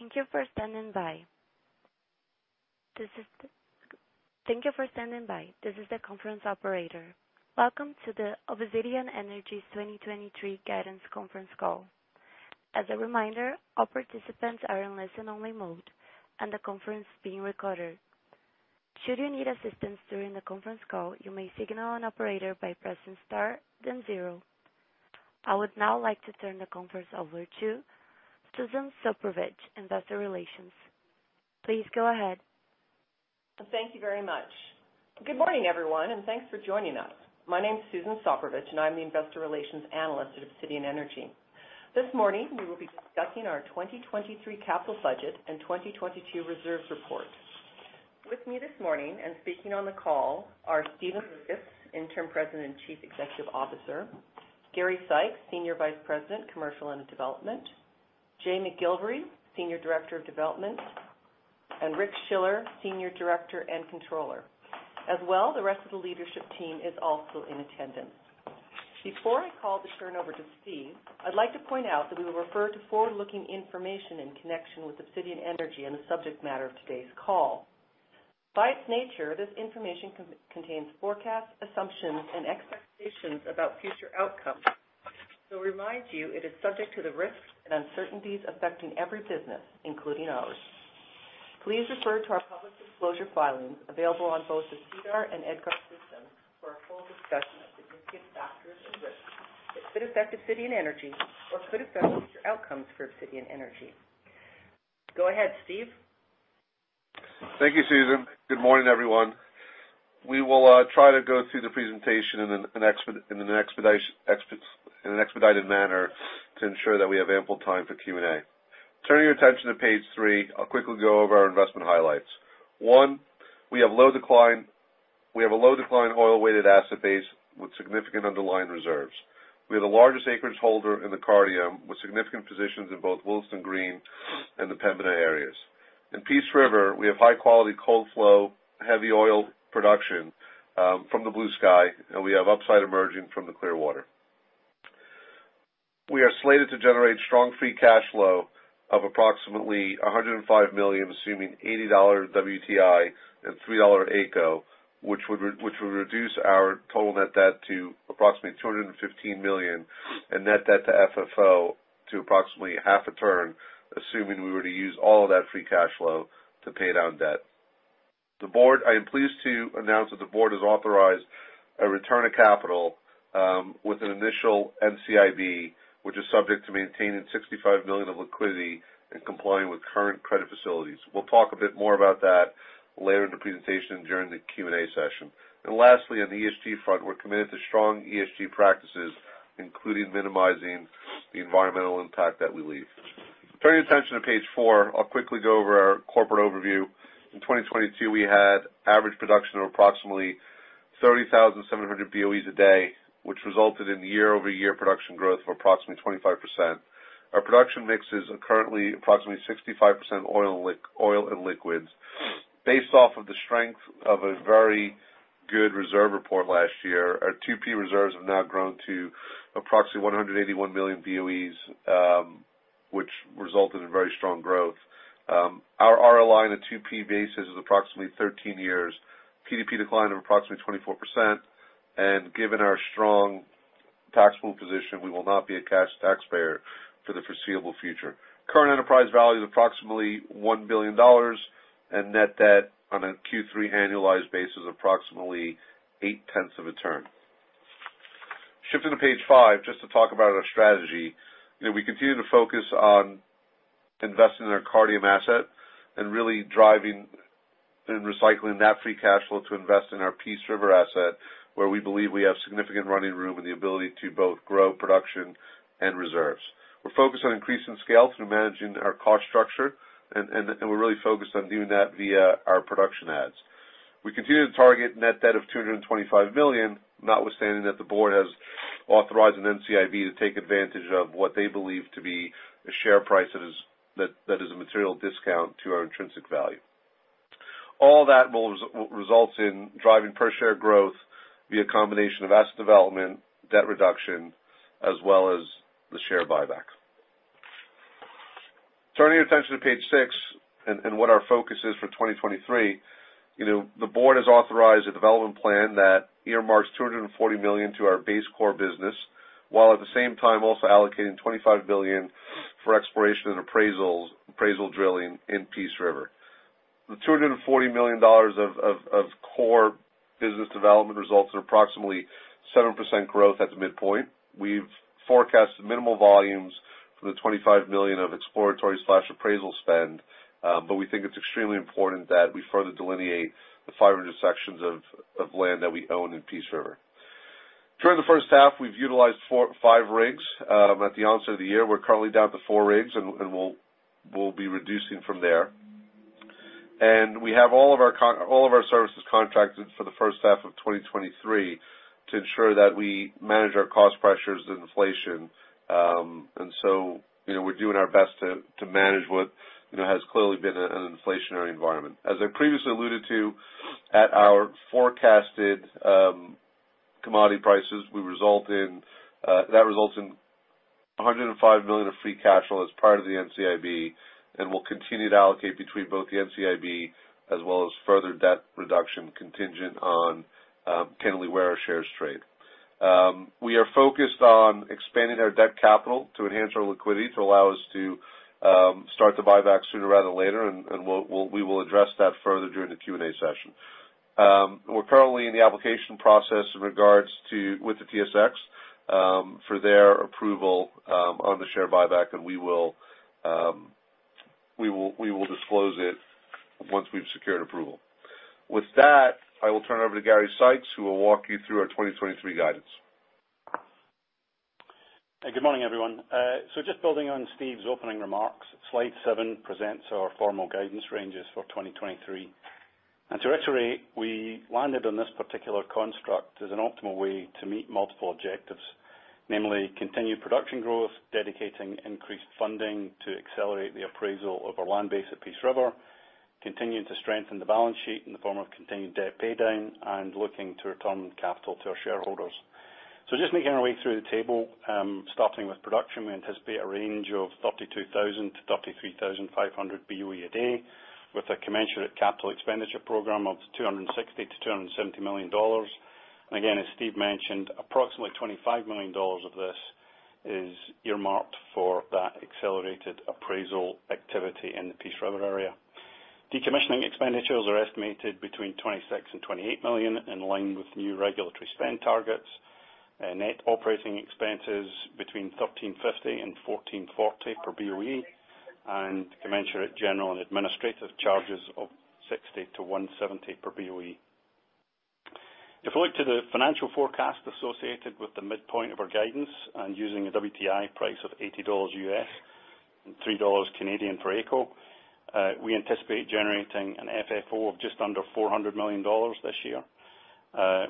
Thank you for standing by. This is the conference operator. Welcome to the Obsidian Energy's 2023 guidance conference call. As a reminder, all participants are in listen only mode, and the conference is being recorded. Should you need assistance during the conference call, you may signal an operator by pressing star then zero. I would now like to turn the conference over to Susan Soprovich, Investor Relations. Please go ahead. Thank you very much. Good morning, everyone, thanks for joining us. My name is Susan Soprovich, I'm the Investor Relations Analyst at Obsidian Energy. This morning, we will be discussing our 2023 capital budget and 2022 reserves report. With me this morning speaking on the call are Stephen Loukas, Interim President and Chief Executive Officer, Gary Sykes, Senior Vice President, Commercial and Development, Jay McGilvary, Senior Director of Development, and Rick Schiller, Senior Director and Controller. The rest of the leadership team is also in attendance. Before I call to turn over to Steve, I'd like to point out that we will refer to forward-looking information in connection with Obsidian Energy and the subject matter of today's call. By its nature, this information contains forecasts, assumptions, and expectations about future outcomes. Remind you it is subject to the risks and uncertainties affecting every business, including ours. Please refer to our public disclosure filings available on both the SEDAR and EDGAR systems for a full discussion of significant factors and risks that could affect Obsidian Energy or could affect future outcomes for Obsidian Energy. Go ahead, Steve. Thank you, Susan. Good morning, everyone. We will try to go through the presentation in an expedited manner to ensure that we have ample time for Q&A. Turning your attention to page three, I'll quickly go over our investment highlights. One, we have low decline. We have a low decline oil-weighted asset base with significant underlying reserves. We are the largest acreage holder in the Cardium, with significant positions in both Willesden Green and the Pembina areas. In Peace River, we have high-quality cold flow, heavy oil production from the Bluesky, and we have upside emerging from the Clearwater. We are slated to generate strong free cash flow of approximately 105 million, assuming $80 WTI and 3 dollar AECO, which would reduce our total net debt to approximately 215 million and net debt to FFO to approximately half a turn, assuming we were to use all of that free cash flow to pay down debt. I am pleased to announce that the board has authorized a return of capital with an initial NCIB, which is subject to maintaining 65 million of liquidity and complying with current credit facilities. We'll talk a bit more about that later in the presentation during the Q&A session. Lastly, on the ESG front, we're committed to strong ESG practices, including minimizing the environmental impact that we leave. Turning your attention to page 4, I'll quickly go over our corporate overview. In 2022, we had average production of approximately 30,700 BOEs a day, which resulted in year-over-year production growth of approximately 25%. Our production mix is currently approximately 65% oil and liquids. Based off of the strength of a very good reserve report last year, our 2P reserves have now grown to approximately 181 million BOEs, which resulted in very strong growth. Our RLI on a 2P basis is approximately 13 years, PDP decline of approximately 24%, and given our strong taxable position, we will not be a cash taxpayer for the foreseeable future. Current enterprise value is approximately 1 billion dollars, and net debt on a Q3 annualized basis is approximately 0.8 of a turn. Shifting to page 5, just to talk about our strategy. You know, we continue to focus on investing in our Cardium asset and really driving and recycling that free cash flow to invest in our Peace River asset, where we believe we have significant running room and the ability to both grow production and reserves. We're focused on increasing scale through managing our cost structure and we're really focused on doing that via our production adds. We continue to target net debt of CAD 225 million, notwithstanding that the board has authorized an NCIB to take advantage of what they believe to be a share price that is a material discount to our intrinsic value. All that will result in driving per share growth via combination of asset development, debt reduction, as well as the share buyback. Turning your attention to page six and what our focus is for 2023. You know, the board has authorized a development plan that earmarks 240 million to our base core business, while at the same time also allocating 25 billion for exploration and appraisal drilling in Peace River. The 240 million dollars of core business development results in approximately 7% growth at the midpoint. We've forecasted minimal volumes for the 25 million of exploratory/appraisal spend, but we think it's extremely important that we further delineate the 500 sections of land that we own in Peace River. During the first half, we've utilized 5 rigs. At the onset of the year, we're currently down to 4 rigs and we'll be reducing from there. We have all of our services contracted for the first half of 2023 to ensure that we manage our cost pressures and inflation. You know, we're doing our best to manage what, you know, has clearly been an inflationary environment. As I previously alluded to, at our forecasted, Commodity prices will result in that results in 105 million of free cash flow as part of the NCIB, and we'll continue to allocate between both the NCIB as well as further debt reduction contingent on candidly where our shares trade. We are focused on expanding our debt capital to enhance our liquidity to allow us to start the buyback sooner rather than later, and we will address that further during the Q&A session. We're currently in the application process with the TSX for their approval on the share buyback. We will disclose it once we've secured approval. With that, I will turn over to Gary Sykes, who will walk you through our 2023 guidance. Hey, good morning, everyone. Just building on Steve's opening remarks, slide 7 presents our formal guidance ranges for 2023. To reiterate, we landed on this particular construct as an optimal way to meet multiple objectives. Namely, continued production growth, dedicating increased funding to accelerate the appraisal of our land base at Peace River, continuing to strengthen the balance sheet in the form of continued debt pay down, and looking to return capital to our shareholders. Just making our way through the table, starting with production, we anticipate a range of 32,000-33,500 BOE a day with a commensurate capital expenditure program of 260 million-270 million dollars. Again, as Steve mentioned, approximately 25 million dollars of this is earmarked for that accelerated appraisal activity in the Peace River area. Decommissioning expenditures are estimated between 26 million and 28 million, in line with new regulatory spend targets. Net operating expenses between 13.50 and 14.40 per BOE, and commensurate general and administrative charges of 60-170 per BOE. If we look to the financial forecast associated with the midpoint of our guidance and using a WTI price of $80 US and 3 dollars for AECO, we anticipate generating an FFO of just under 400 million dollars this year,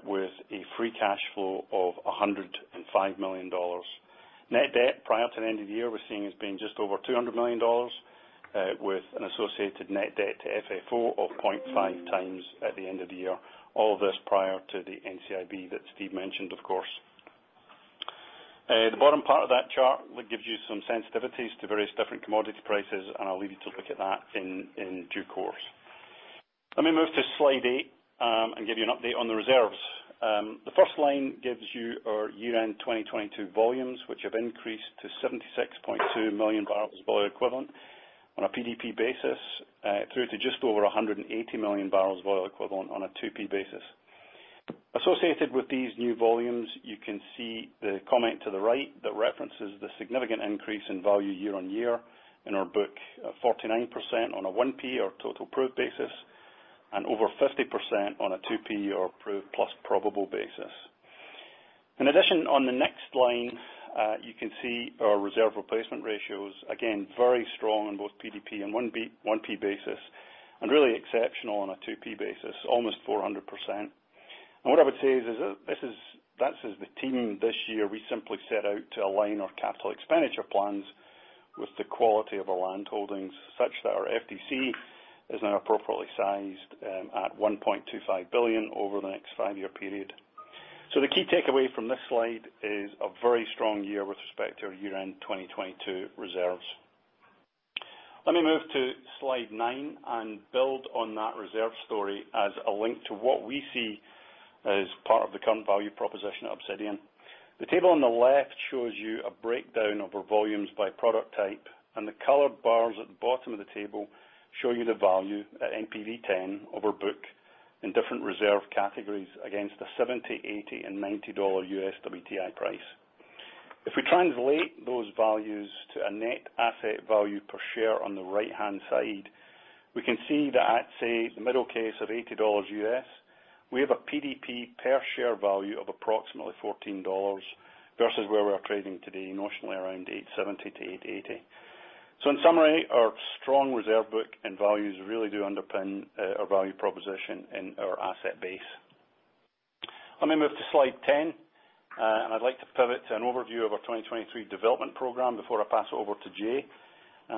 with a free cash flow of 105 million dollars. Net debt prior to the end of the year, we're seeing as being just over 200 million dollars, with an associated net debt to FFO of 0.5x at the end of the year. All this prior to the NCIB that Steve mentioned, of course. The bottom part of that chart gives you some sensitivities to various different commodity prices, I'll leave you to look at that in due course. Let me move to slide 8, give you an update on the reserves. The first line gives you our year-end 2022 volumes, which have increased to 76.2 million barrels of oil equivalent on a PDP basis, through to just over 180 million barrels of oil equivalent on a 2P basis. Associated with these new volumes, you can see the comment to the right that references the significant increase in value year on year in our book, 49% on a 1P or total proved basis and over 50% on a 2P or proved plus probable basis. In addition, on the next line, you can see our reserve replacement ratios, again, very strong on both PDP and 1P basis, and really exceptional on a 2P basis, almost 400%. What I would say is that's as the team this year, we simply set out to align our capital expenditure plans with the quality of our land holdings such that our FDC is now appropriately sized, at 1.25 billion over the next 5-year period. The key takeaway from this slide is a very strong year with respect to our year-end 2022 reserves. Let me move to slide 9 and build on that reserve story as a link to what we see as part of the current value proposition at Obsidian. The table on the left shows you a breakdown of our volumes by product type, the colored bars at the bottom of the table show you the value at NPV 10 of our book in different reserve categories against the 70, 80, and 90 dollar US WTI price. If we translate those values to a net asset value per share on the right-hand side, we can see that at, say, the middle case of 80 dollars US, we have a PDP per share value of approximately $14 versus where we're trading today, notionally around $8.70-$8.80. In summary, our strong reserve book and values really do underpin our value proposition in our asset base. Let me move to slide 10, and I'd like to pivot to an overview of our 2023 development program before I pass it over to Jay,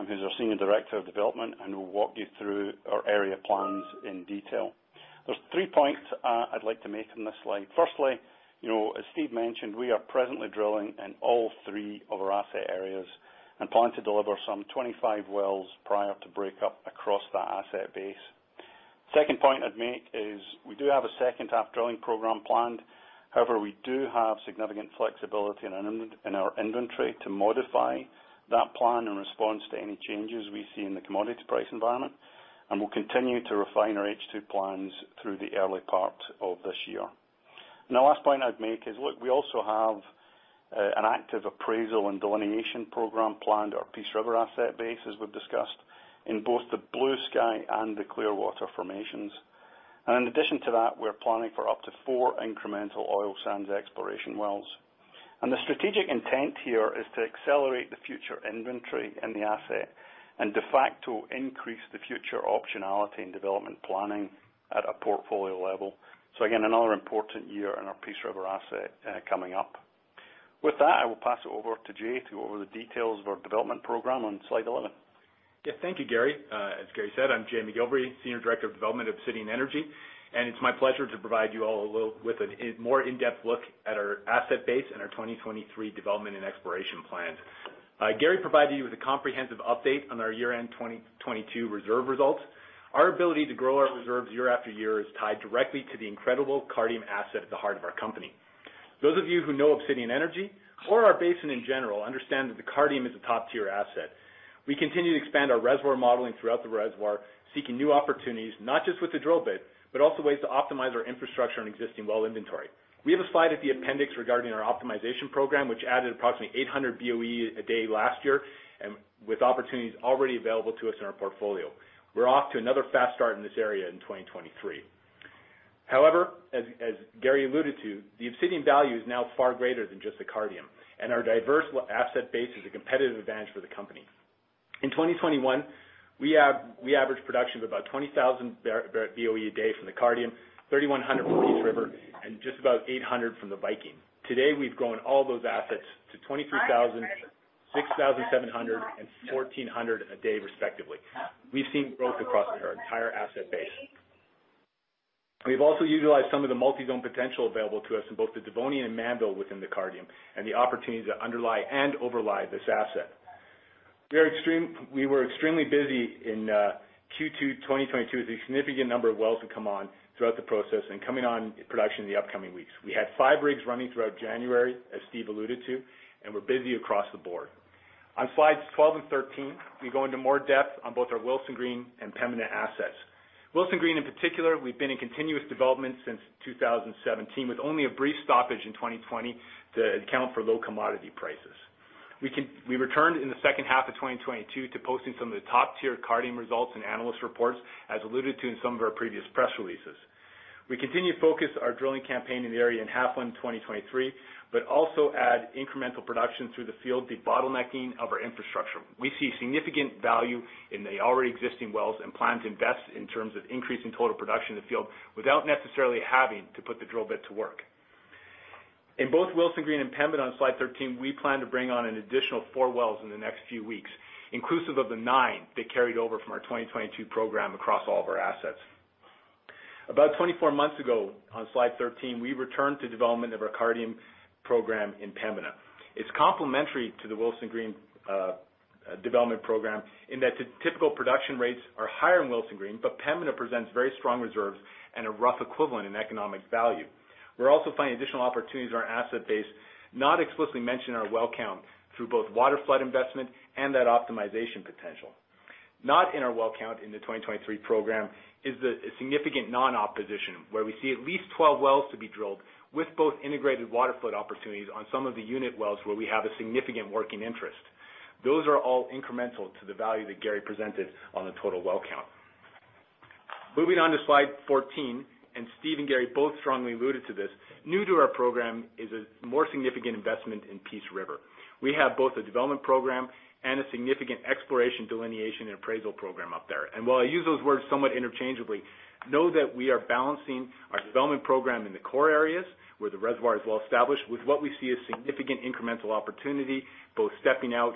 who's our Senior Director of Development and will walk you through our area plans in detail. There's 3 points I'd like to make on this slide. Firstly, you know, as Steve mentioned, we are presently drilling in all 3 of our asset areas and plan to deliver some 25 wells prior to break up across that asset base. Second point I'd make is we do have a second half drilling program planned. However, we do have significant flexibility in our inventory to modify that plan in response to any changes we see in the commodity price environment, and we'll continue to refine our H2 plans through the early part of this year. The last point I'd make is, look, we also have an active appraisal and delineation program planned at our Peace River asset base, as we've discussed, in both the Bluesky and the Clearwater formations. In addition to that, we're planning for up to 4 incremental oil sands exploration wells. The strategic intent here is to accelerate the future inventory in the asset and de facto increase the future optionality in development planning at a portfolio level. Again, another important year in our Peace River asset coming up. With that, I will pass it over to Jay to go over the details of our development program on slide 11. Thank you, Gary. As Gary said, I'm Jay McGilvary, Senior Director of Development of Obsidian Energy, and it's my pleasure to provide you all with a more in-depth look at our asset base and our 2023 development and exploration plans. Gary provided you with a comprehensive update on our year-end 2022 reserve results. Our ability to grow our reserves year after year is tied directly to the incredible Cardium asset at the heart of our company. Those of you who know Obsidian Energy or our basin in general understand that the Cardium is a top-tier asset. We continue to expand our reservoir modeling throughout the reservoir, seeking new opportunities not just with the drill bit, but also ways to optimize our infrastructure and existing well inventory. We have a slide at the appendix regarding our optimization program, which added approximately 800 BOE a day last year, and with opportunities already available to us in our portfolio. We're off to another fast start in this area in 2023. However, as Gary Sykes alluded to, the Obsidian value is now far greater than just the Cardium, and our diverse asset base is a competitive advantage for the company. In 2021, we averaged production of about 20,000 BOE a day from the Cardium, 3,100 from Peace River, and just about 800 from the Viking. Today, we've grown all those assets to 23,000, 6,700, and 1,400 a day respectively. We've seen growth across our entire asset base. We've also utilized some of the multi-zone potential available to us in both the Devonian and Mannville within the Cardium and the opportunities that underlie and overlie this asset. We were extremely busy in Q2 2022 with a significant number of wells to come on throughout the process and coming on production in the upcoming weeks. We had five rigs running throughout January, as Steve alluded to, and we're busy across the board. On slides 12 and 13, we go into more depth on both our Willesden Green and Pembina assets. Willesden Green in particular, we've been in continuous development since 2017, with only a brief stoppage in 2020 to account for low commodity prices. We returned in the second half of 2022 to posting some of the top-tier Cardium results and analyst reports, as alluded to in some of our previous press releases. We continue to focus our drilling campaign in the area in half 1 2023, but also add incremental production through the field, the bottlenecking of our infrastructure. We see significant value in the already existing wells and plan to invest in terms of increasing total production in the field without necessarily having to put the drill bit to work. In both Willesden Green and Pembina on slide 13, we plan to bring on an additional four wells in the next few weeks, inclusive of the nine that carried over from our 2022 program across all of our assets. About 24 months ago, on slide 13, we returned to development of our Cardium program in Pembina. It's complementary to the Willesden Green development program in that typical production rates are higher in Willesden Green, but Pembina presents very strong reserves and a rough equivalent in economic value. We're also finding additional opportunities in our asset base not explicitly mentioned in our well count through both waterflood investment and that optimization potential. Not in our well count in the 2023 program is the significant non-op position, where we see at least 12 wells to be drilled with both integrated waterflood opportunities on some of the unit wells where we have a significant working interest. Those are all incremental to the value that Gary Sykes presented on the total well count. Moving on to slide 14, Steve and Gary Sykes both strongly alluded to this, new to our program is a more significant investment in Peace River. While I use those words somewhat interchangeably, know that we are balancing our development program in the core areas where the reservoir is well-established with what we see as significant incremental opportunity, both stepping out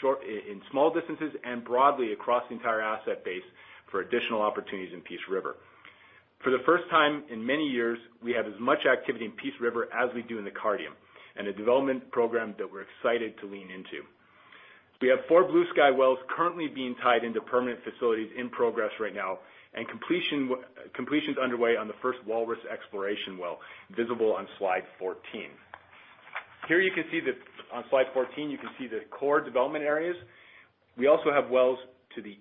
short in small distances and broadly across the entire asset base for additional opportunities in Peace River. For the first time in many years, we have as much activity in Peace River as we do in the Cardium, and a development program that we're excited to lean into. We have 4 Bluesky wells currently being tied into permanent facilities in progress right now and completion's underway on the first Walrus exploration well, visible on slide 14. On slide 14, you can see the core development areas. We also have wells to the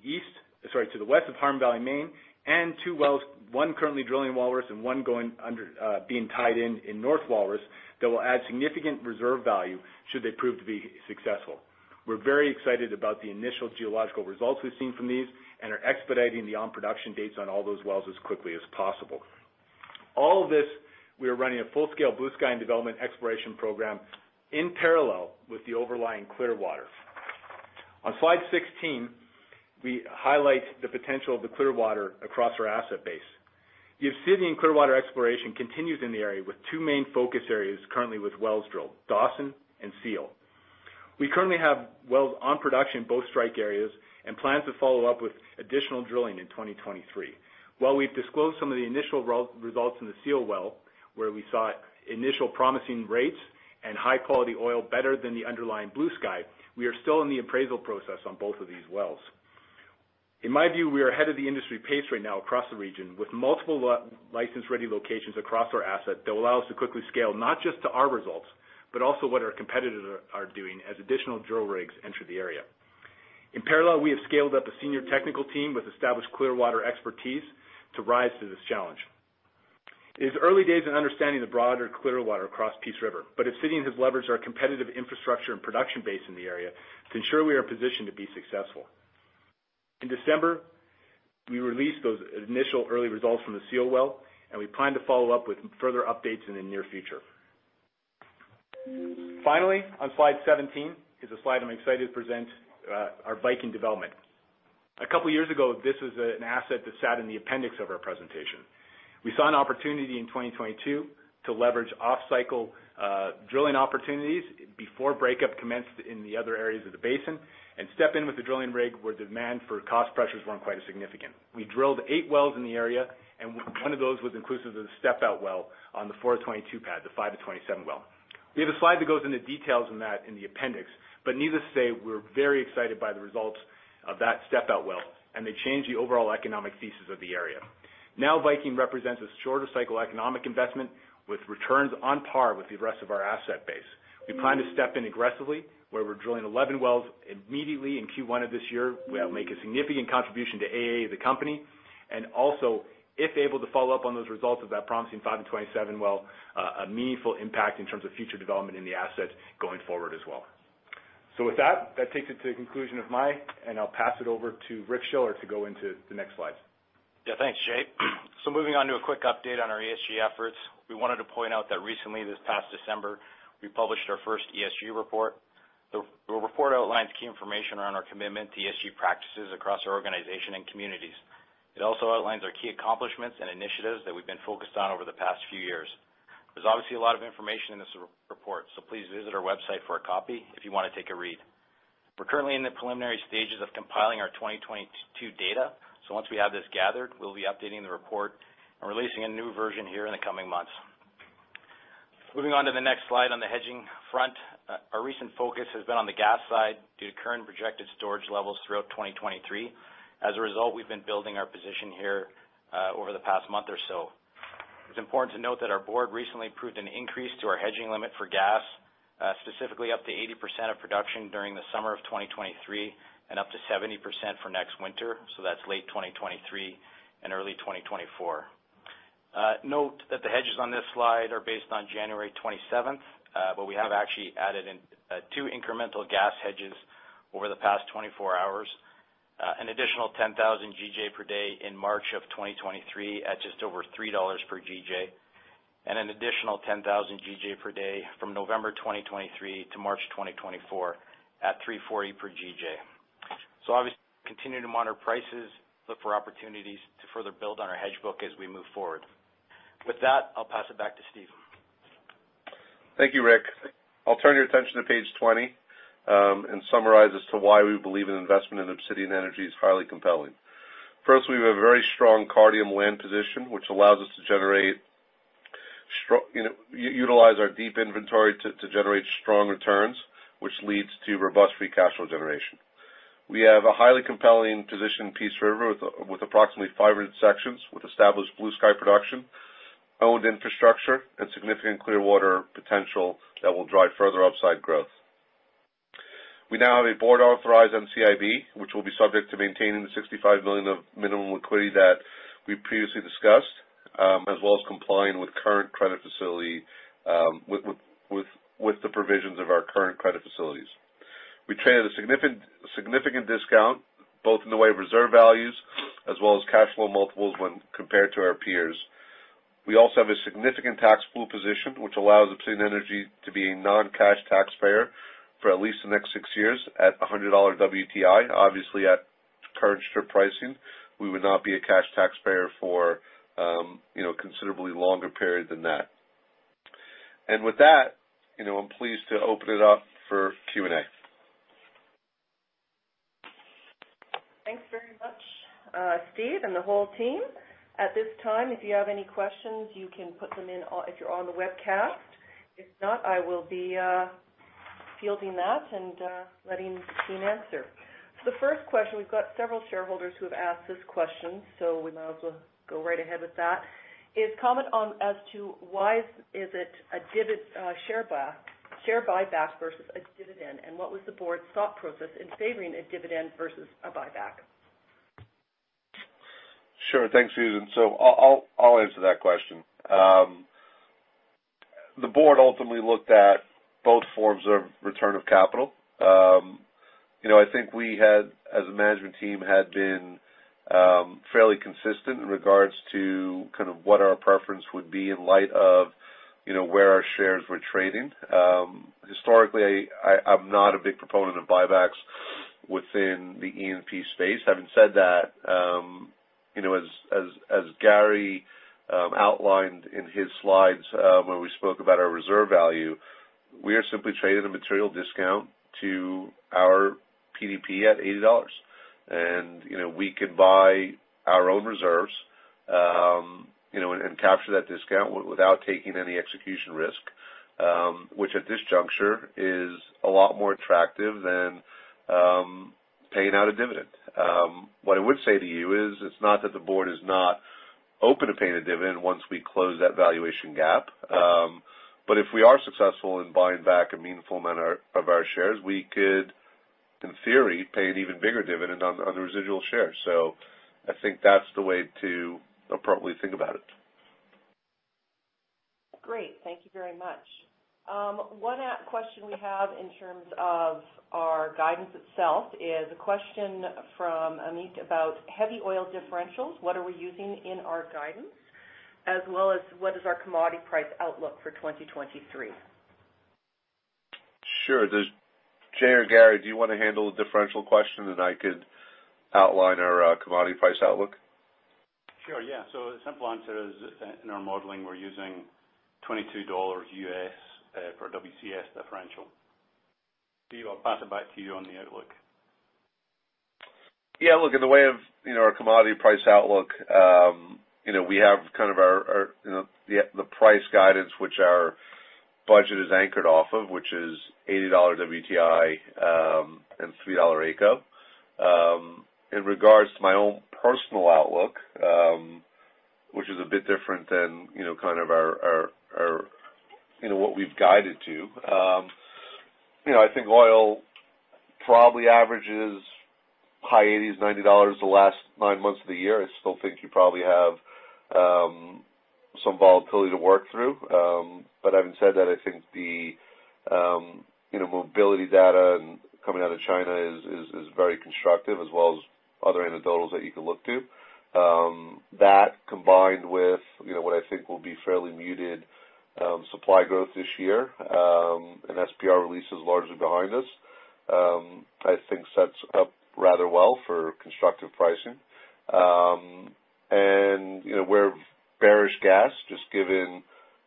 west of Harmon Valley Main and two wells, one currently drilling Walrus and one going under, being tied in in North Walrus, that will add significant reserve value should they prove to be successful. We're very excited about the initial geological results we've seen from these and are expediting the on-production dates on all those wells as quickly as possible. All of this, we are running a full-scale Bluesky and development exploration program in parallel with the overlying Clearwater. On slide 16, we highlight the potential of the Clearwater across our asset base. The Obsidian Clearwater exploration continues in the area with two main focus areas currently with wells drilled, Dawson and Seal. We currently have wells on production in both strike areas and plan to follow up with additional drilling in 2023. While we've disclosed some of the initial results in the Seal well, where we saw initial promising rates and high-quality oil better than the underlying Bluesky, we are still in the appraisal process on both of these wells. In my view, we are ahead of the industry pace right now across the region with multiple license ready locations across our asset that will allow us to quickly scale not just to our results, but also what our competitors are doing as additional drill rigs enter the area. In parallel, we have scaled up a senior technical team with established Clearwater expertise to rise to this challenge. It is early days in understanding the broader Clearwater across Peace River, but Obsidian has leveraged our competitive infrastructure and production base in the area to ensure we are positioned to be successful. In December, we released those initial early results from the Seal well, and we plan to follow up with further updates in the near future. Finally, on slide 17 is a slide I'm excited to present, our Viking development. A couple years ago, this was an asset that sat in the appendix of our presentation. We saw an opportunity in 2022 to leverage off-cycle drilling opportunities before breakup commenced in the other areas of the basin and step in with the drilling rig where demand for cost pressures weren't quite as significant. We drilled 8 wells in the area, and one of those was inclusive of the step-out well on the 422 pad, the 527 well. We have a slide that goes into details on that in the appendix, but needless to say, we're very excited by the results of that step-out well. They change the overall economic thesis of the area. Now Viking represents a shorter cycle economic investment with returns on par with the rest of our asset base. We plan to step in aggressively where we're drilling 11 wells immediately in Q1 of this year. We'll make a significant contribution to AA, the company, and also, if able to follow up on those results of that promising 5 and 27 well, a meaningful impact in terms of future development in the assets going forward as well. With that takes it to the conclusion of my. I'll pass it over to Rick Schiller to go into the next slides. Yeah. Thanks, Jay. Moving on to a quick update on our ESG efforts. We wanted to point out that recently, this past December, we published our first ESG report. The report outlines key information around our commitment to ESG practices across our organization and communities. It also outlines our key accomplishments and initiatives that we've been focused on over the past few years. There's obviously a lot of information in this report, please visit our website for a copy if you wanna take a read. We're currently in the preliminary stages of compiling our 2022 data, once we have this gathered, we'll be updating the report and releasing a new version here in the coming months. Moving on to the next slide on the hedging front, our recent focus has been on the gas side due to current projected storage levels throughout 2023. As a result, we've been building our position here over the past month or so. It's important to note that our board recently approved an increase to our hedging limit for gas, specifically up to 80% of production during the summer of 2023 and up to 70% for next winter, so that's late 2023 and early 2024. Note that the hedges on this slide are based on January 27th, but we have actually added in 2 incremental gas hedges over the past 24 hours, an additional 10,000 GJ per day in March of 2023 at just over $3 per GJ and an additional 10,000 GJ per day from November 2023-March 2024 at $3.40 per GJ. Obviously, continue to monitor prices, look for opportunities to further build on our hedge book as we move forward. With that, I'll pass it back to Steve. Thank you, Rick. I'll turn your attention to page 20 and summarize as to why we believe an investment in Obsidian Energy is highly compelling. First, we have a very strong Cardium land position, which allows us to generate, you know, utilize our deep inventory to generate strong returns, which leads to robust free cash flow generation. We have a highly compelling position in Peace River with approximately 500 sections with established Bluesky production, owned infrastructure, and significant Clearwater potential that will drive further upside growth. We now have a board-authorized NCIB, which will be subject to maintaining the 65 million of minimum liquidity that we previously discussed, as well as complying with current credit facility with the provisions of our current credit facilities. We trade at a significant discount, both in the way of reserve values as well as cash flow multiples when compared to our peers. We also have a significant tax pool position, which allows Obsidian Energy to be a non-cash taxpayer for at least the next six years at $100 WTI. Obviously, at current strip pricing, we would not be a cash taxpayer for, you know, considerably longer period than that. With that, you know, I'm pleased to open it up for Q&A. Thanks very much, Steve and the whole team. At this time, if you have any questions, you can put them in if you're on the webcast. If not, I will be fielding that and letting the team answer. The first question, we've got several shareholders who have asked this question, so we might as well go right ahead with that, is comment on as to why is it a share buyback versus a dividend, and what was the board's thought process in favoring a dividend versus a buyback? Sure. Thanks, Susan. I'll answer that question. The board ultimately looked at both forms of return of capital. You know, I think we had, as a management team, had been fairly consistent in regards to kind of what our preference would be in light of, you know, where our shares were trading. Historically, I'm not a big proponent of buybacks within the E&P space. Having said that, you know, as Gary outlined in his slides, where we spoke about our reserve value, we are simply trading a material discount to our PDP at $80. You know, we can buy our own reserves, you know, and capture that discount without taking any execution risk, which at this juncture is a lot more attractive than paying out a dividend. What I would say to you is it's not that the board is not open to paying a dividend once we close that valuation gap, but if we are successful in buying back a meaningful amount of our shares, we could, in theory, pay an even bigger dividend on the residual shares. I think that's the way to appropriately think about it. Great. Thank you very much. One question we have in terms of our guidance itself is a question from Amit about heavy oil differentials, what are we using in our guidance, as well as what is our commodity price outlook for 2023? Sure. Jay or Gary, do you want to handle the differential question, and I could outline our commodity price outlook? Sure, yeah. The simple answer is, in our modeling, we're using $22 U.S. per WCS differential. Steve, I'll pass it back to you on the outlook. Look, in the way of, you know, our commodity price outlook, you know, we have kind of our, you know, the price guidance which our budget is anchored off of, which is $80 WTI, and CAD 3 AECO. In regards to my own personal outlook, which is a bit different than, you know, kind of our, you know, what we've guided to. You know, I think oil probably averages high $80s, $90 the last nine months of the year. I still think you probably have some volatility to work through. Having said that, I think the, you know, mobility data coming out of China is very constructive as well as other anecdotals that you can look to. That combined with, you know, what I think will be fairly muted supply growth this year, and SPR release is largely behind us, I think sets up rather well for constructive pricing. You know, we're bearish gas just given,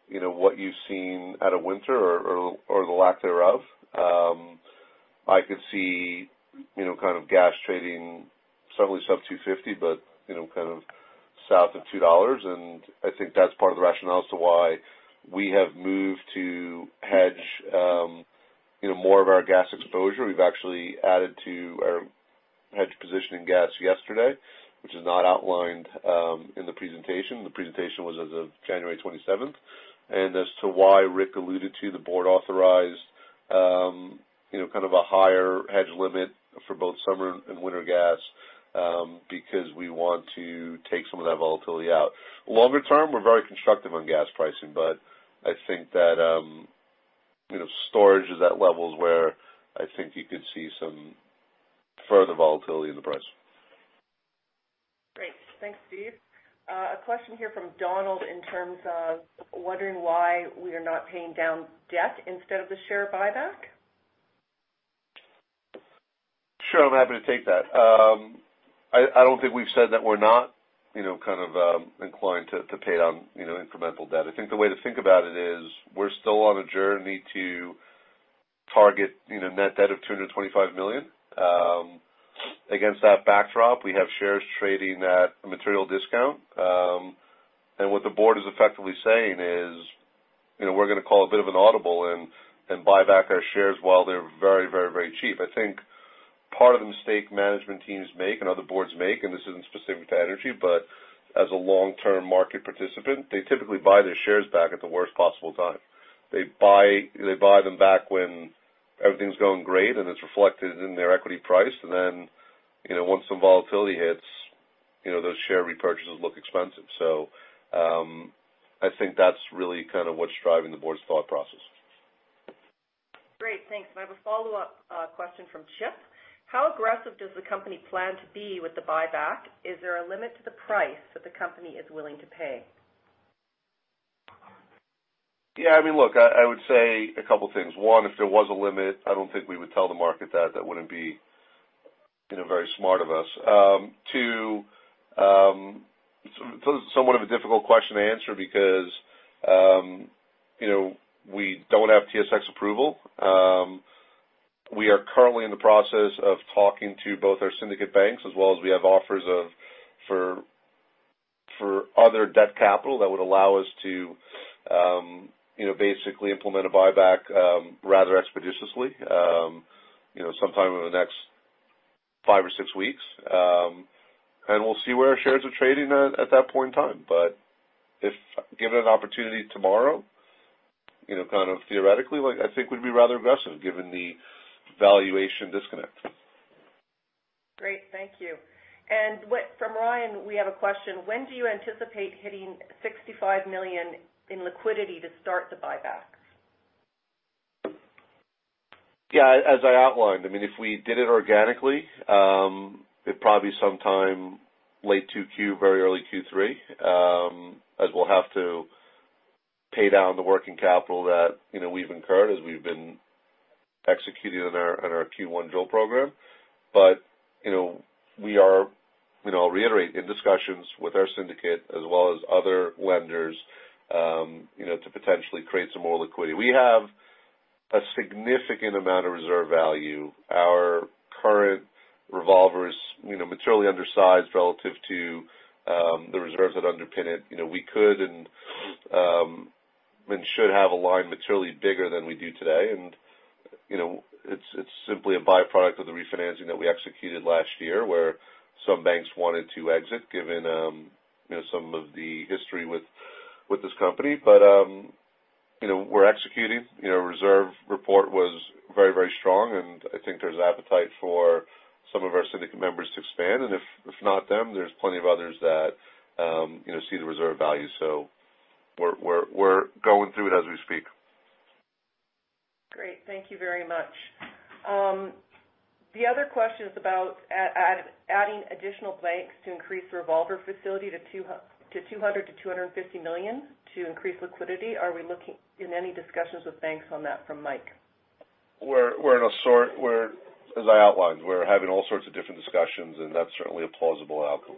you know, what you've seen out of winter or, or the lack thereof. I could see, you know, kind of gas trading certainly sub $2.50, but, you know, kind of south of $2.00. I think that's part of the rationale as to why we have moved to hedge, you know, more of our gas exposure. We've actually added to our hedge position in gas yesterday, which is not outlined in the presentation. The presentation was as of January 27th. As to why Rick alluded to the board authorized, you know, kind of a higher hedge limit for both summer and winter gas, because we want to take some of that volatility out. Longer term, we're very constructive on gas pricing, but I think that, you know, storage is at levels where I think you could see some further volatility in the price. Great. Thanks, Steve. A question here from Donald in terms of wondering why we are not paying down debt instead of the share buyback. Sure, I'm happy to take that. I don't think we've said that we're not, you know, kind of, inclined to pay down, you know, incremental debt. I think the way to think about it is we're still on a journey to target, you know, net debt of 225 million. Against that backdrop, we have shares trading at a material discount. What the board is effectively saying is, you know, we're gonna call a bit of an audible and buy back our shares while they're very cheap. I think part of the mistake management teams make and other boards make, and this isn't specific to energy, but as a long-term market participant, they typically buy their shares back at the worst possible time. They buy them back when everything's going great, and it's reflected in their equity price. Then, you know, once some volatility hits, you know, those share repurchases look expensive. I think that's really kind of what's driving the board's thought process. Great. Thanks. I have a follow-up, question from Chip. How aggressive does the company plan to be with the buyback? Is there a limit to the price that the company is willing to pay? Yeah, I mean, look, I would say a couple things. One, if there was a limit, I don't think we would tell the market that. That wouldn't be, you know, very smart of us. Two, so it's somewhat of a difficult question to answer because, you know, we don't have TSX approval. We are currently in the process of talking to both our syndicate banks as well as we have offers for other debt capital that would allow us to, you know, basically implement a buyback rather expeditiously, you know, sometime in the next five or six weeks. We'll see where our shares are trading at that point in time. If given an opportunity tomorrow, you know, kind of theoretically, like I think we'd be rather aggressive given the valuation disconnect. Great. Thank you. From Ryan, we have a question. When do you anticipate hitting 65 million in liquidity to start the buybacks? Yeah, as I outlined, I mean, if we did it organically, it'd probably be sometime late 2Q, very early Q3, as we'll have to pay down the working capital that, you know, we've incurred as we've been executing on our, on our Q1 drill program. You know, we are, you know, I'll reiterate, in discussions with our syndicate as well as other lenders, you know, to potentially create some more liquidity. We have a significant amount of reserve value. Our current revolver is, you know, materially undersized relative to the reserves that underpin it. You know, we could and should have a line materially bigger than we do today. You know, it's simply a byproduct of the refinancing that we executed last year, where some banks wanted to exit given, you know, some of the history with this company. You know, we're executing. You know, reserve report was very strong, and I think there's appetite for some of our syndicate members to expand. If not them, there's plenty of others that, you know, see the reserve value. We're going through it as we speak. Great. Thank you very much. The other question is about adding additional blanks to increase revolver facility to 250 million to increase liquidity. Are we looking in any discussions with banks on that from Mike? We're, as I outlined, we're having all sorts of different discussions, and that's certainly a plausible outcome.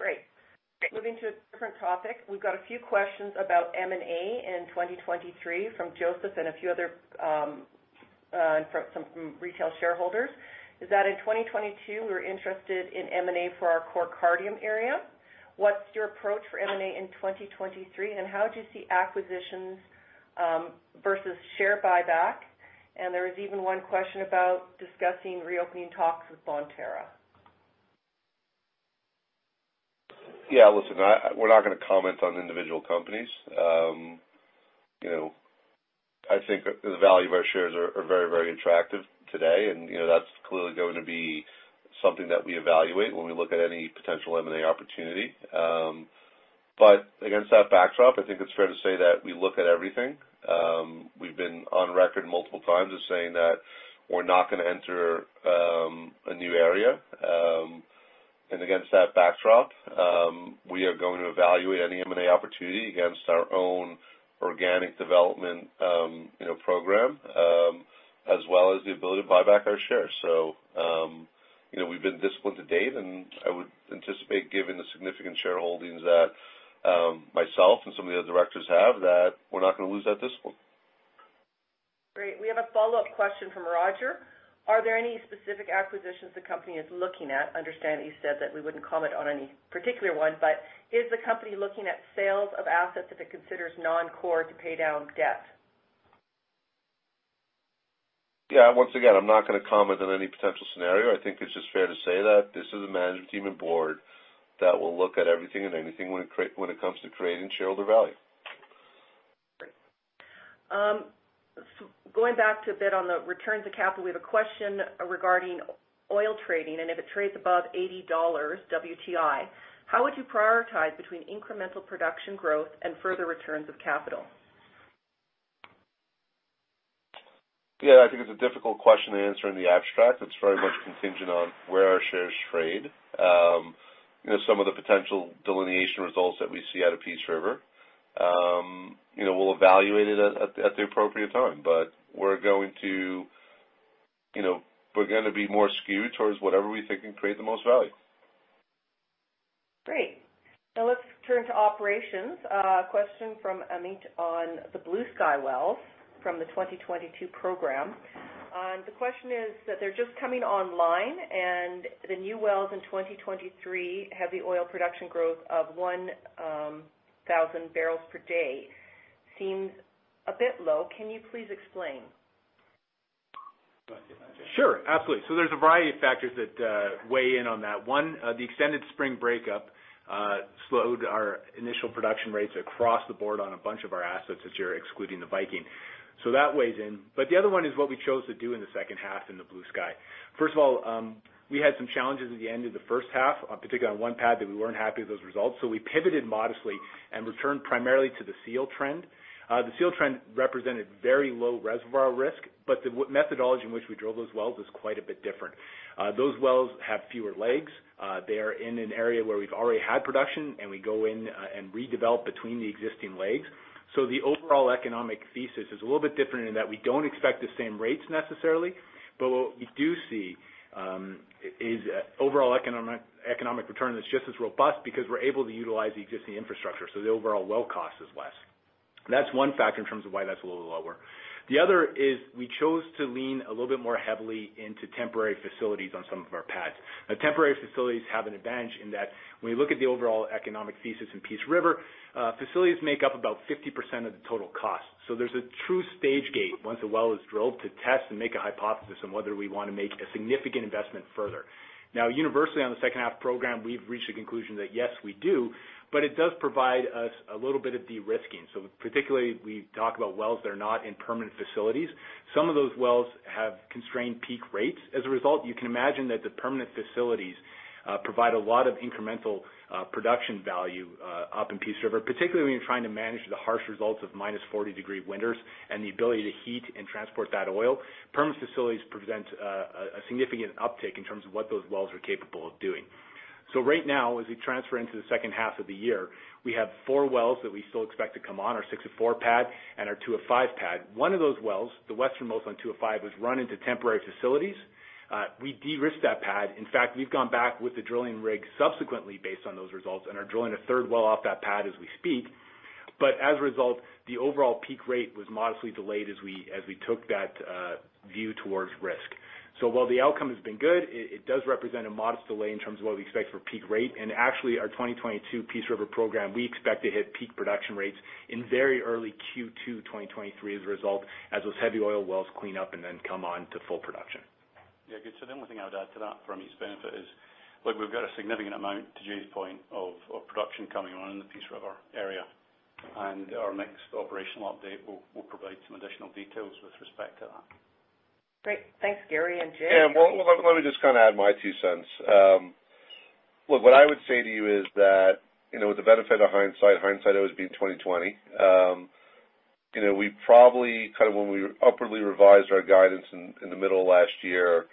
Great. Moving to a different topic, we've got a few questions about M&A in 2023 from Joseph and a few other from some from retail shareholders, is that in 2022, we were interested in M&A for our core Cardium area. What's your approach for M&A in 2023? How do you see acquisitions versus share buyback? There is even one question about discussing reopening talks with Bonterra. Yeah, listen, we're not gonna comment on individual companies. You know, I think the value of our shares are very, very attractive today, and, you know, that's clearly going to be something that we evaluate when we look at any potential M&A opportunity. Against that backdrop, I think it's fair to say that we look at everything. We've been on record multiple times as saying that we're not gonna enter a new area. Against that backdrop, we are going to evaluate any M&A opportunity against our own organic development, you know, program, as well as the ability to buy back our shares. You know, we've been disciplined to date, and I would anticipate giving the significant shareholdings that myself and some of the other directors have that we're not gonna lose that discipline. Great. We have a follow-up question from Roger. Are there any specific acquisitions the company is looking at? Understand that you said that we wouldn't comment on any particular one, but is the company looking at sales of assets that it considers non-core to pay down debt? Yeah. Once again, I'm not gonna comment on any potential scenario. I think it's just fair to say that this is a management team and board that will look at everything and anything when it comes to creating shareholder value. Great. Going back to a bit on the returns of capital, we have a question regarding oil trading, and if it trades above $80 WTI, how would you prioritize between incremental production growth and further returns of capital? Yeah, I think it's a difficult question to answer in the abstract. It's very much contingent on where our shares trade. You know, some of the potential delineation results that we see out of Peace River, you know, we'll evaluate it at the appropriate time. We're going to, you know, we're gonna be more skewed towards whatever we think can create the most value. Great. Now let's turn to operations. A question from Amit on the Bluesky wells from the 2022 program. The question is that they're just coming online, and the new wells in 2023 have the oil production growth of 1,000 barrels per day. Seems a bit low. Can you please explain? Sure. Absolutely. There's a variety of factors that weigh in on that. One, the extended spring breakup slowed our initial production rates across the board on a bunch of our assets this year, excluding the Viking. That weighs in. The other one is what we chose to do in the Bluesky. First of all, we had some challenges at the end of the first half, particularly on one pad that we weren't happy with those results. We pivoted modestly and returned primarily to the seal trend. The seal trend represented very low reservoir risk, but the methodology in which we drove those wells is quite a bit different. Those wells have fewer legs. They are in an area where we've already had production, and we go in and redevelop between the existing legs. The overall economic thesis is a little bit different in that we don't expect the same rates necessarily, but what we do see is overall economic return that's just as robust because we're able to utilize the existing infrastructure, so the overall well cost is less. That's one factor in terms of why that's a little lower. The other is we chose to lean a little bit more heavily into temporary facilities on some of our pads. Temporary facilities have an advantage in that when you look at the overall economic thesis in Peace River, facilities make up about 50% of the total cost. There's a true stage gate once a well is drilled to test and make a hypothesis on whether we wanna make a significant investment further. Now universally, on the second half program, we've reached a conclusion that, yes, we do, but it does provide us a little bit of de-risking. Particularly, we talk about wells that are not in permanent facilities. Some of those wells have constrained peak rates. As a result, you can imagine that the permanent facilities provide a lot of incremental production value up in Peace River, particularly when you're trying to manage the harsh results of minus 40 degree winters and the ability to heat and transport that oil. Permanent facilities present a significant uptake in terms of what those wells are capable of doing. Right now, as we transfer into the second half of the year, we have four wells that we still expect to come on, our 6 and 4 pad and our 2 and 5 pad. One of those wells, the westernmost on 2 and 5, was run into temporary facilities. We de-risked that pad. In fact, we've gone back with the drilling rig subsequently based on those results and are drilling a third well off that pad as we speak. As a result, the overall peak rate was modestly delayed as we took that view towards risk. While the outcome has been good, it does represent a modest delay in terms of what we expect for peak rate. Actually, our 2022 Peace River program, we expect to hit peak production rates in very early Q2 2023 as a result, as those heavy oil wells clean up and then come on to full production. Yeah. Good. The only thing I would add to that from each benefit is, look, we've got a significant amount to Jay's point of production coming on in the Peace River area, and our next operational update will provide some additional details with respect to that. Great. Thanks, Gary and Jay. Well, let me just kinda add my two cents. Look, what I would say to you is that, you know, with the benefit of hindsight always being 20/20. You know, we probably kind of when we upwardly revised our guidance in the middle of last year,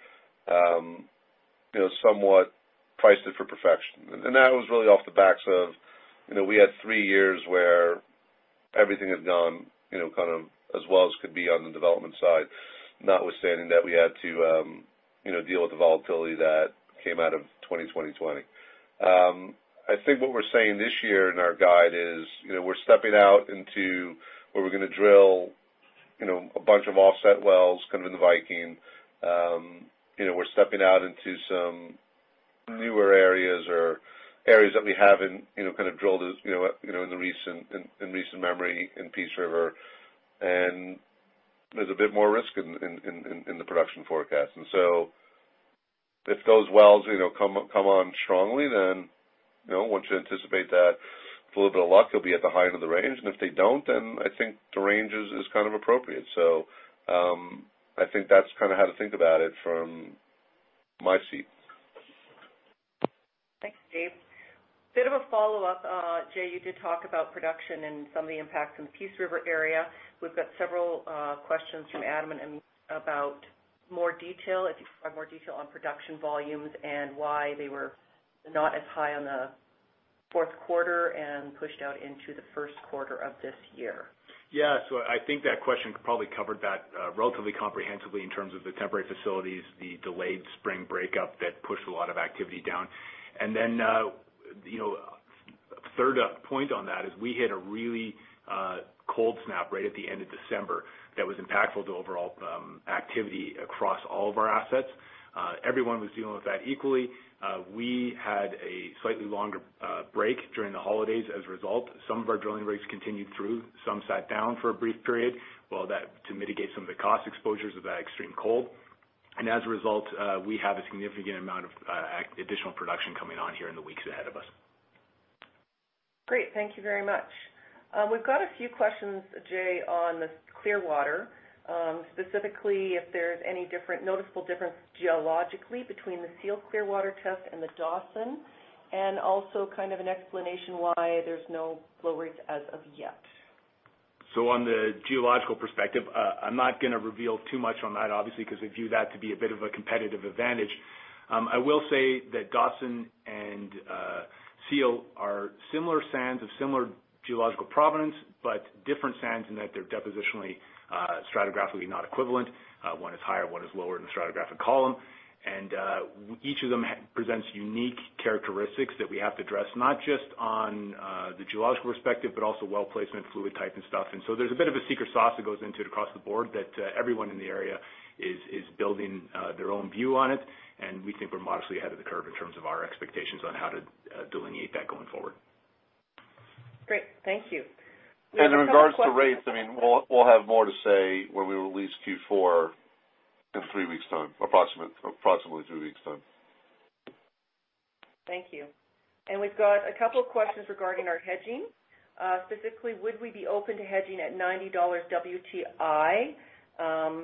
you know, somewhat priced it for perfection. That was really off the backs of, you know, we had three years where everything had gone, you know, kind of as well as could be on the development side, notwithstanding that we had to, you know, deal with the volatility that came out of 2020. I think what we're saying this year in our guide is, you know, we're stepping out into where we're gonna drill, you know, a bunch of offset wells kind of in the Viking. We're stepping out into some newer areas or areas that we haven't, you know, kind of drilled as, you know, in recent memory in Peace River. There's a bit more risk in the production forecast. If those wells, you know, come on strongly, then, you know, once you anticipate that, with a little bit of luck, you'll be at the height of the range. If they don't, then I think the range is kind of appropriate. I think that's kind of how to think about it from my seat. Thanks, Steve. Bit of a follow-up. Jay, you did talk about production and some of the impacts in the Peace River area. We've got several questions from Adam and about more detail, if you could provide more detail on production volumes and why they were not as high on the fourth quarter and pushed out into the first quarter of this year? I think that question probably covered that relatively comprehensively in terms of the temporary facilities, the delayed spring breakup that pushed a lot of activity down. You know, third point on that is we hit a really cold snap right at the end of December that was impactful to overall activity across all of our assets. Everyone was dealing with that equally. We had a slightly longer break during the holidays as a result. Some of our drilling rigs continued through, some sat down for a brief period to mitigate some of the cost exposures of that extreme cold. As a result, we have a significant amount of additional production coming on here in the weeks ahead of us. Great. Thank you very much. We've got a few questions, Jay, on the Clearwater, specifically if there's any noticeable difference geologically between the Seal Clearwater test and the Dawson, and also kind of an explanation why there's no flow rates as of yet? On the geological perspective, I'm not gonna reveal too much on that obviously, because we view that to be a bit of a competitive advantage. I will say that Dawson and Seal are similar sands of similar geological provenance, but different sands in that they're depositionally, stratigraphically not equivalent. One is higher, one is lower in the stratigraphic column. Each of them presents unique characteristics that we have to address, not just on the geological perspective, but also well placement, fluid type and stuff. There's a bit of a secret sauce that goes into it across the board that everyone in the area is building their own view on it, and we think we're modestly ahead of the curve in terms of our expectations on how to delineate that going forward. Great. Thank you. In regards to rates, I mean, we'll have more to say when we release Q4 in three weeks' time, approximately three weeks' time. Thank you. We've got a couple of questions regarding our hedging. Specifically, would we be open to hedging at $90 WTI?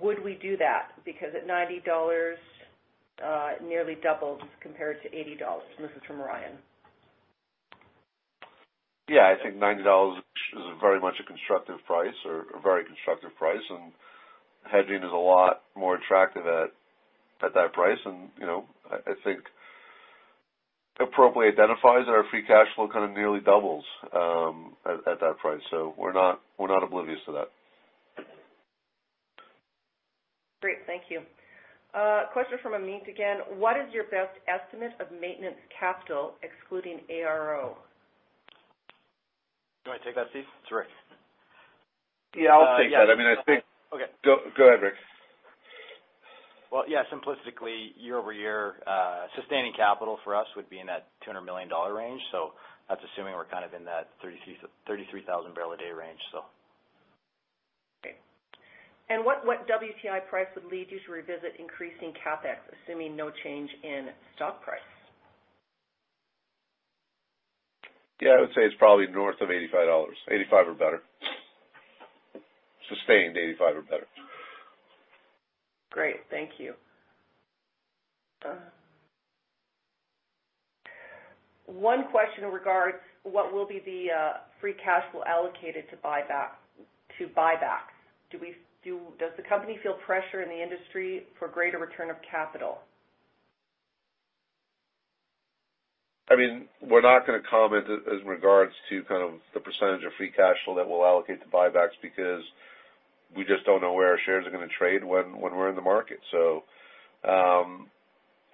Would we do that? Because at $90, it nearly doubles compared to $80. This is from Ryan. Yeah. I think $90 is very much a constructive price or a very constructive price, hedging is a lot more attractive at that price. You know, I think it appropriately identifies our free cash flow kind of nearly doubles at that price. We're not oblivious to that. Great. Thank you. Question from Amit again. What is your best estimate of maintenance capital excluding ARO? You want me to take that, Steve? It's Rick. Yeah, I'll take that. I mean, I think- Okay. Go ahead, Rick. Well, yeah, simplistically, year-over-year, sustaining capital for us would be in that 200 million dollar range. That's assuming we're kind of in that 33,000 barrel a day range. Okay. What WTI price would lead you to revisit increasing CapEx, assuming no change in stock price? Yeah, I would say it's probably north of 85 dollars. 85 or better. Sustained 85 or better. Great. Thank you. One question in regards what will be the free cash flow allocated to buybacks? Does the company feel pressure in the industry for greater return of capital? I mean, we're not gonna comment as regards to kind of the percentage of free cash flow that we'll allocate to buybacks because we just don't know where our shares are gonna trade when we're in the market.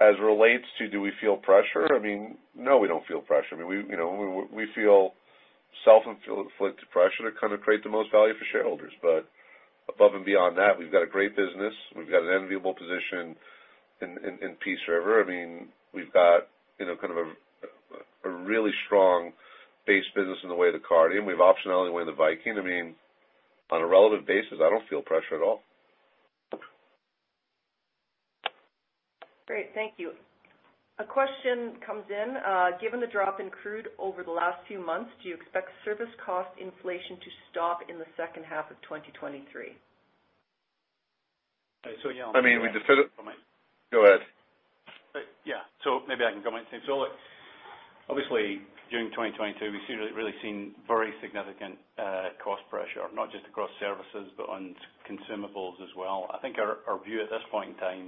As it relates to do we feel pressure? I mean, no, we don't feel pressure. I mean, we, you know, we feel self-inflict pressure to kind of create the most value for shareholders. Above and beyond that, we've got a great business. We've got an enviable position in Peace River. I mean, we've got, you know, kind of a really strong base business in the way of the Cardium. We've optionality in the way of the Viking. I mean, on a relative basis, I don't feel pressure at all. Great. Thank you. A question comes in. Given the drop in crude over the last few months, do you expect service cost inflation to stop in the second half of 2023? So yeah- I mean, Go ahead. Yeah. Maybe I can comment, too. Look, obviously during 2022, we've really seen very significant cost pressure, not just across services, but on consumables as well. I think our view at this point in time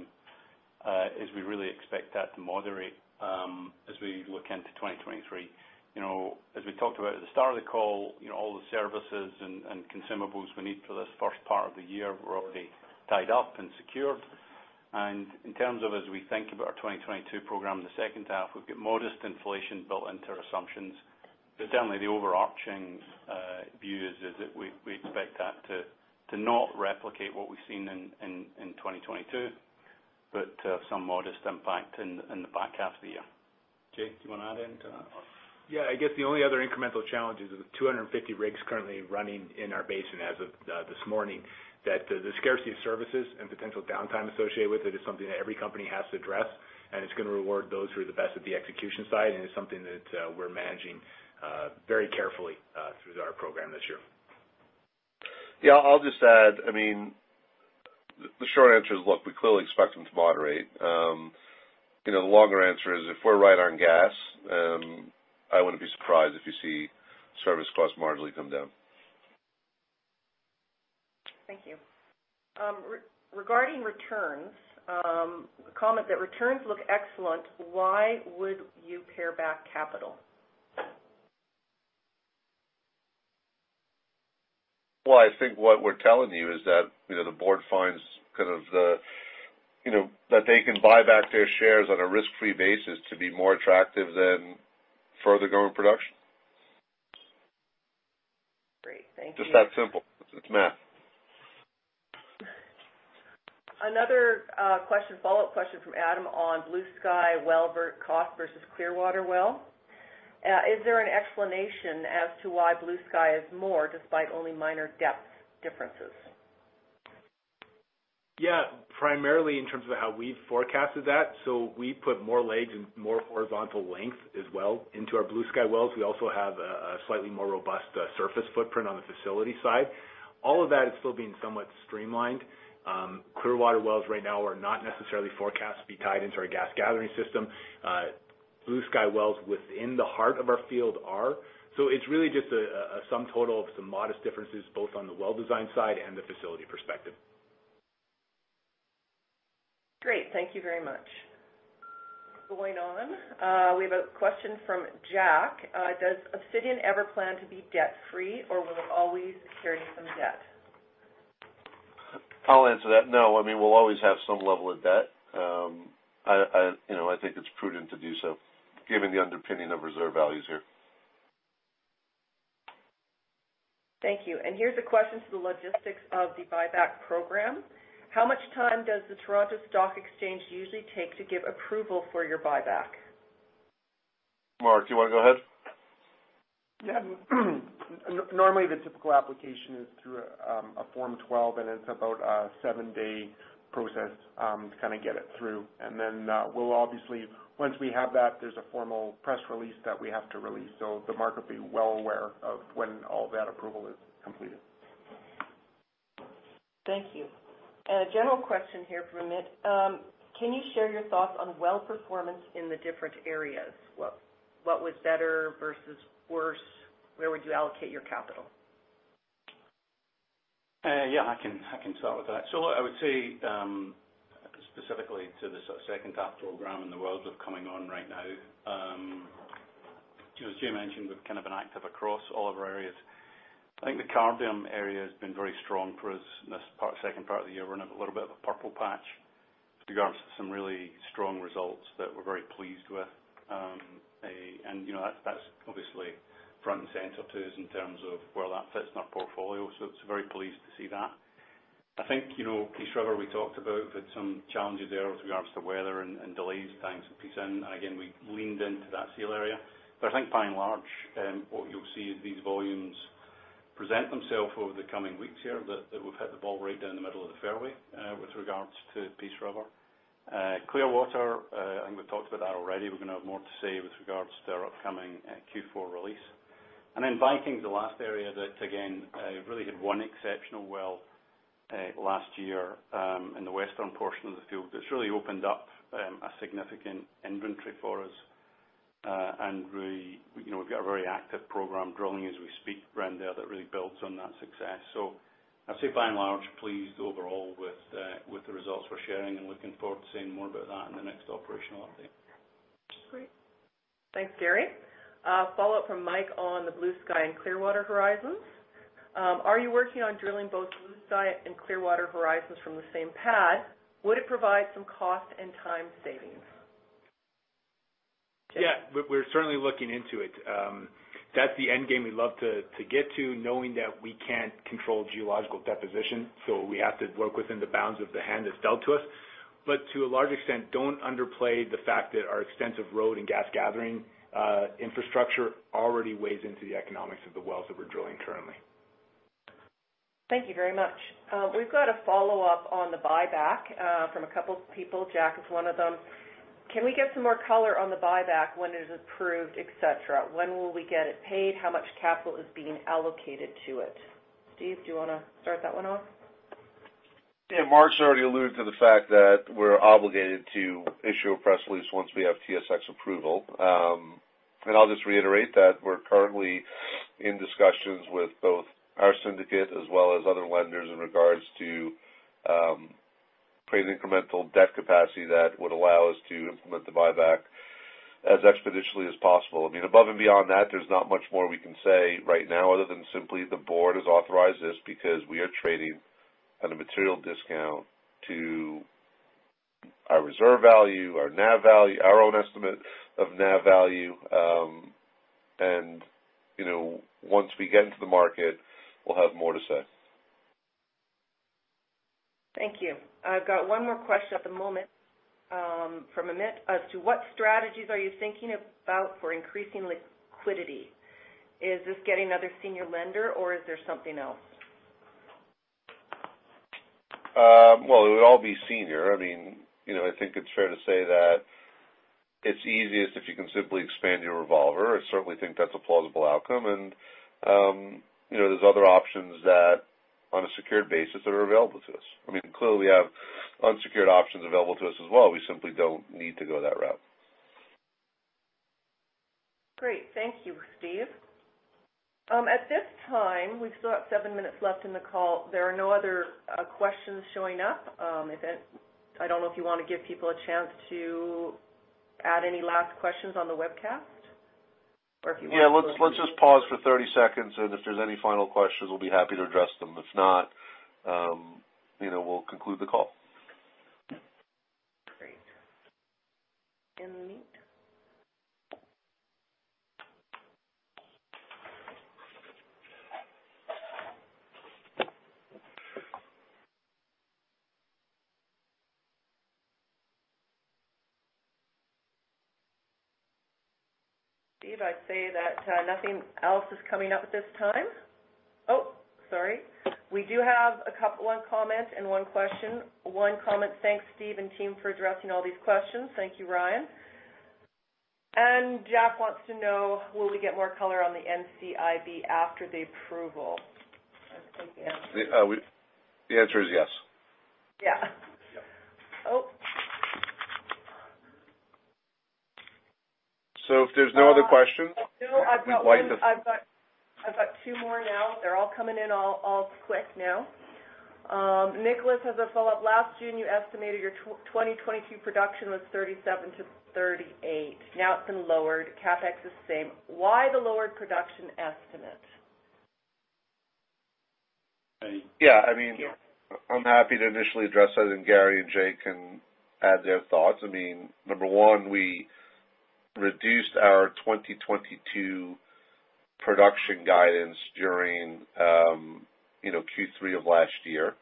is we really expect that to moderate as we look into 2023. You know, as we talked about at the start of the call, you know, all the services and consumables we need for this first part of the year were already tied up and secured. In terms of as we think about our 2022 program in the second half, we've got modest inflation built into our assumptions. certainly the overarching view is that we expect that to not replicate what we've seen in 2022, but some modest impact in the back half of the year. Jay, do you wanna add in to that? I guess the only other incremental challenge is with 250 rigs currently running in our basin as of this morning, that the scarcity of services and potential downtime associated with it is something that every company has to address, and it's gonna reward those who are the best at the execution side, and it's something that we're managing very carefully through our program this year. Yeah, I'll just add, I mean, the short answer is, look, we clearly expect them to moderate. You know, the longer answer is, if we're right on gas, I wouldn't be surprised if you see service costs marginally come down. Thank you. Regarding returns, a comment that returns look excellent. Why would you pare back capital? I think what we're telling you is that, you know, the board finds kind of the, you know, that they can buy back their shares on a risk-free basis to be more attractive than further growing production. Great. Thank you. Just that simple. It's math. Another question, follow-up question from Adam on Bluesky well cost versus Clearwater well. Is there an explanation as to why Bluesky is more despite only minor depth differences? Yeah. Primarily in terms of how we've forecasted that, we put more legs and more horizontal length as well into our Bluesky wells. We also have a slightly more robust surface footprint on the facility side. All of that is still being somewhat streamlined. Clearwater wells right now are not necessarily forecast to be tied into our gas gathering system. Bluesky wells within the heart of our field are. It's really just a sum total of some modest differences, both on the well design side and the facility perspective. Great. Thank you very much. Going on, we have a question from Jack. Does Obsidian ever plan to be debt free, or will it always carry some debt? I'll answer that. No, I mean, we'll always have some level of debt. I, you know, I think it's prudent to do so given the underpinning of reserve values here. Thank you. Here's a question to the logistics of the buyback program. How much time does the Toronto Stock Exchange usually take to give approval for your buyback? Mark, do you wanna go ahead? Normally, the typical application is through a Form 12, and it's about a 7-day process to kinda get it through. We'll obviously, once we have that, there's a formal press release that we have to release. The market will be well aware of when all that approval is completed. Thank you. A general question here from Mitt. Can you share your thoughts on well performance in the different areas? What was better versus worse? Where would you allocate your capital? Yeah, I can start with that. Look, I would say, specifically to the sort of second half program and the wells that are coming on right now, as Jay mentioned, we're kind of an active across all of our areas. I think the Cardium area has been very strong for us in this part, second part of the year. We're in a little bit of a purple patch with regards to some really strong results that we're very pleased with. You know, that's obviously front and center to us in terms of where that fits in our portfolio. It's very pleased to see that. I think, you know, Peace River we talked about. We've had some challenges there with regards to weather and delays tying some pieces in. Again, we leaned into that sale area. I think by and large, what you'll see as these volumes present themselves over the coming weeks here, that we've hit the ball right down the middle of the fairway with regards to Peace River. Clearwater, I think we've talked about that already. We're gonna have more to say with regards to our upcoming Q4 release. Viking is the last area that, again, really had 1 exceptional well last year in the western portion of the field. That's really opened up a significant inventory for us. We, you know, we've got a very active program drilling as we speak around there that really builds on that success. I'd say by and large, pleased overall with the results we're sharing, and looking forward to saying more about that in the next operational update. Great. Thanks, Gary. A follow-up from Mike on the Bluesky and Clearwater horizons. Are you working on drilling both Bluesky and Clearwater horizons from the same pad? Would it provide some cost and time savings? Yeah. We're certainly looking into it. That's the end game we'd love to get to, knowing that we can't control geological deposition, we have to work within the bounds of the hand that's dealt to us. To a large extent, don't underplay the fact that our extensive road and gas gathering infrastructure already weighs into the economics of the wells that we're drilling currently. Thank you very much. we've got a follow-up on the buyback, from a couple people. Jack is one of them. Can we get some more color on the buyback when it is approved, et cetera? When will we get it paid? How much capital is being allocated to it? Steve, do you wanna start that one off? Mark's already alluded to the fact that we're obligated to issue a press release once we have TSX approval. I'll just reiterate that we're currently in discussions with both our syndicate as well as other lenders in regards to paying incremental debt capacity that would allow us to implement the buyback as expeditiously as possible. I mean, above and beyond that, there's not much more we can say right now other than simply the board has authorized this because we are trading at a material discount to our reserve value, our NAV value, our own estimate of NAV value. You know, once we get into the market, we'll have more to say. Thank you. I've got 1 more question at the moment, from Amit. As to what strategies are you thinking about for increasing liquidity, is this getting another senior lender or is there something else? Well, it would all be senior. I mean, you know, I think it's fair to say that it's easiest if you can simply expand your revolver. I certainly think that's a plausible outcome. You know, there's other options that on a secured basis that are available to us. I mean, clearly, we have unsecured options available to us as well. We simply don't need to go that route. Great. Thank you, Steve. At this time, we've still got 7 minutes left in the call. There are no other questions showing up. I don't know if you wanna give people a chance to add any last questions on the webcast, or if you want? Yeah. Let's just pause for 30 seconds. If there's any final questions, we'll be happy to address them. If not, you know, we'll conclude the call. Great. Ending the Amit. Steve, I'd say that nothing else is coming up at this time. Sorry, we do have one comment and one question. One comment. "Thanks, Steve and team, for addressing all these questions." Thank you, Ryan. Jeff wants to know, will we get more color on the NCIB after the approval? I think the answer is- The answer is yes. Yeah. Yeah. If there's no other questions, we'd like to. No, I've got one. I've got two more now. They're all coming in all quick now. Nicholas has a follow-up. Last June, you estimated your 2022 production was 37-38. Now it's been lowered. CapEx is the same. Why the lowered production estimate? Yeah. I mean, I'm happy to initially address that, and Gary and Jay can add their thoughts. I mean, number one, we reduced our 2022 production guidance during, you know, Q3 of last year.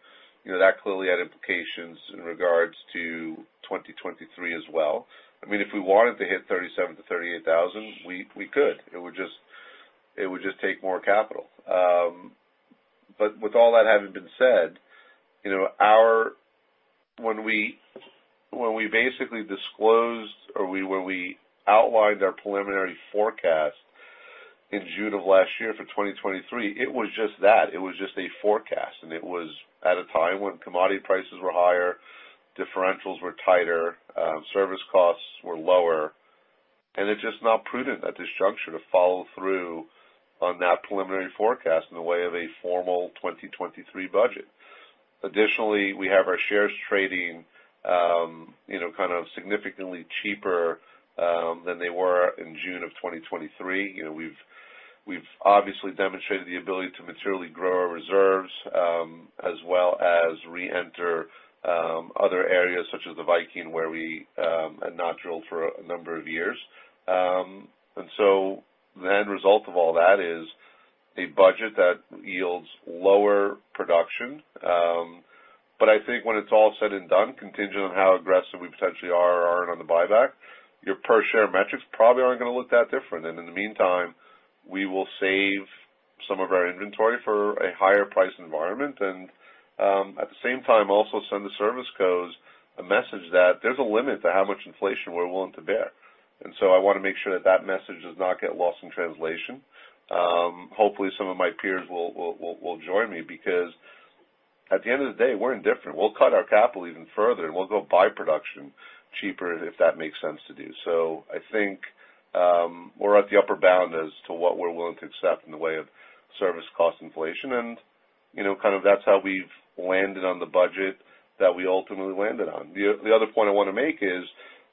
You know, that clearly had implications in regards to 2023 as well. I mean, if we wanted to hit 37,000-38,000, we could. It would just take more capital. With all that having been said, you know, when we basically disclosed or when we outlined our preliminary forecast in June of last year for 2023, it was just that. It was just a forecast, and it was at a time when commodity prices were higher, differentials were tighter, service costs were lower. It's just not prudent at this juncture to follow through on that preliminary forecast in the way of a formal 2023 budget. Additionally, we have our shares trading, you know, kind of significantly cheaper than they were in June of 2023. You know, we've obviously demonstrated the ability to materially grow our reserves, as well as reenter other areas such as the Viking, where we had not drilled for a number of years. The end result of all that is a budget that yields lower production. I think when it's all said and done, contingent on how aggressive we potentially are or aren't on the buyback, your per share metrics probably aren't gonna look that different. In the meantime, we will save some of our inventory for a higher price environment and, at the same time, also send the service CEOs a message that there's a limit to how much inflation we're willing to bear. I wanna make sure that that message does not get lost in translation. Hopefully, some of my peers will join me because at the end of the day, we're indifferent. We'll cut our capital even further, and we'll go buy production cheaper if that makes sense to do. I think, we're at the upper bound as to what we're willing to accept in the way of service cost inflation. You know, kind of that's how we've landed on the budget that we ultimately landed on. The other point I want to make is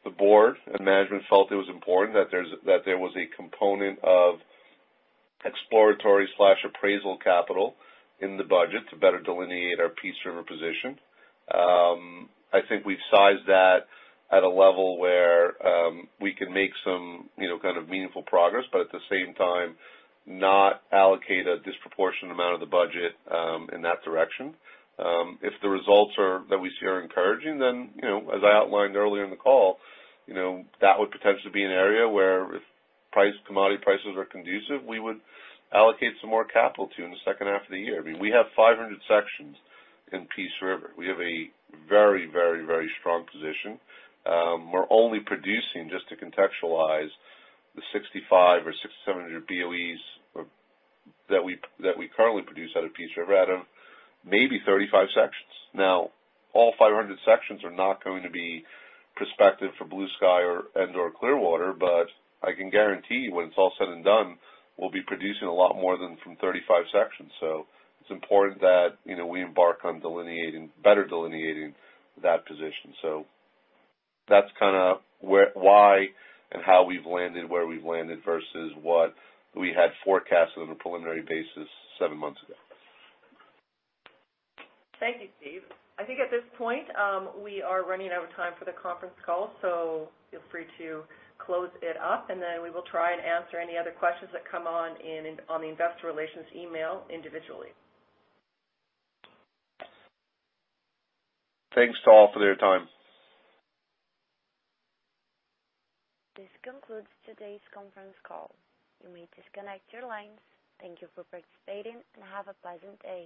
the board and management felt it was important that there was a component of exploratory slash appraisal capital in the budget to better delineate our Peace River position. I think we've sized that at a level where we can make some, you know, kind of meaningful progress, but at the same time, not allocate a disproportionate amount of the budget in that direction. If the results are, that we see are encouraging, then, you know, as I outlined earlier in the call, you know, that would potentially be an area where if price, commodity prices are conducive, we would allocate some more capital to in the second half of the year. I mean, we have 500 sections in Peace River. We have a very, very, very strong position. We're only producing, just to contextualize, the 6,500 or 6,700 BOEs that we currently produce out of Peace River out of maybe 35 sections. Now, all 500 sections are not going to be prospective for Bluesky or, and/or Clearwater, but I can guarantee when it's all said and done, we'll be producing a lot more than from 35 sections. It's important that, you know, we embark on delineating, better delineating that position. That's kinda where, why, and how we've landed where we've landed versus what we had forecasted on a preliminary basis 7 months ago. Thank you, Steve. I think at this point, we are running out of time for the conference call, so feel free to close it up, and then we will try and answer any other questions that come on in on the investor relations email individually. Thanks to all for their time. This concludes today's conference call. You may disconnect your lines. Thank you for participating, and have a pleasant day.